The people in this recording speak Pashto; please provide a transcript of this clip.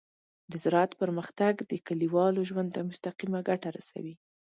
د زراعت پرمختګ د کليوالو ژوند ته مستقیمه ګټه رسوي.